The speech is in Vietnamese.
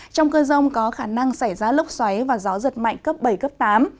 trong cơn rông có khả năng xảy ra lốc xoáy và gió giật mạnh cấp bảy cấp tám